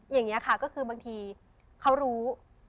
อย่างนี้ค่ะก็คือบางทีเขารู้